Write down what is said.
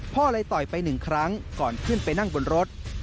พ่อเลยต่อยไปหนึ่งครั้งก่อนขึ้นไปนั่งบนรถ